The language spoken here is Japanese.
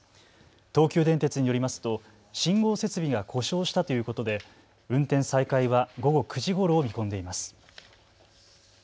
東急電鉄によりますと信号設備が故障したということで運転再開は午後９時ごろを見込んでいます。